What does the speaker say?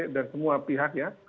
dan semua pihak ya